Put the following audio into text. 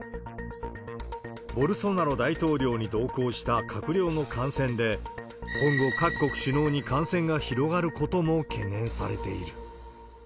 ボルソナロ大統領に同行した閣僚の感染で、今後、各国首脳に感染が広がることも懸念されている。